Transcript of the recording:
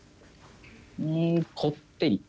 うんこってり。